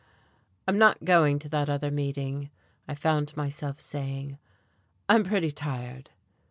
"I'm not going to that other meeting," I found myself saying. "I'm pretty tired."